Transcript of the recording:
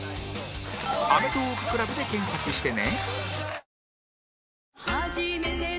「アメトーーク ＣＬＵＢ」で検索してね